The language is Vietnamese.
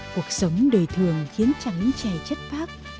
cuộc sống đời thường khiến trắng trẻ chất phác